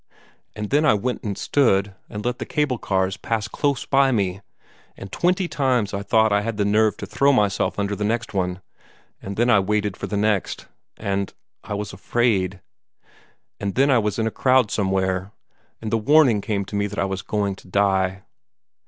And then I went and stood and let the cable cars pass close by me, and twenty times I thought I had the nerve to throw myself under the next one, and then I waited for the next and I was afraid! And then I was in a crowd somewhere, and the warning came to me that I was going to die.